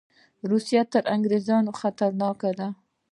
روسان تر انګریزانو لا خطرناک دي.